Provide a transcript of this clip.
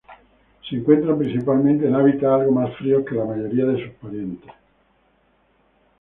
Se encuentran principalmente en hábitats algo más fríos que la mayoría de sus parientes.